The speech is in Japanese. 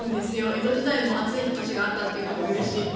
江戸時代も暑い年があったという人もいるし。